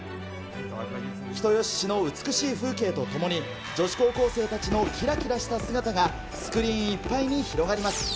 人吉市の美しい風景とともに、女子高校生たちのきらきらした姿がスクリーンいっぱいに広がります。